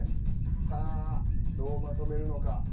さあどうまとめるのか。